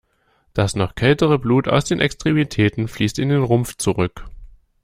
Das noch kältere Blut aus den Extremitäten fließt in den Rumpf zurück.